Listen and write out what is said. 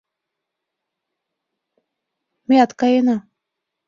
— Меат каена.